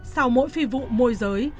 sau mỗi phi vụ môi giới